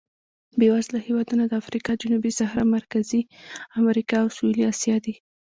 بېوزله هېوادونه د افریقا جنوبي صحرا، مرکزي امریکا او سوېلي اسیا دي.